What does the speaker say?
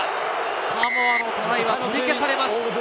サモアのトライは取り消されます。